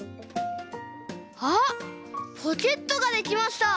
あっポケットができました！